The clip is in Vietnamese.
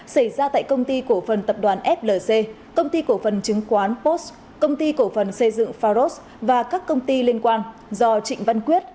xảy ra tại công ty cổ phần tập đoàn flc công ty cổ phần chứng khoán post công ty cổ phần xây dựng pharos và các công ty liên quan do trịnh văn quyết